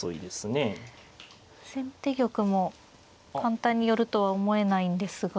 先手玉も簡単に寄るとは思えないんですが。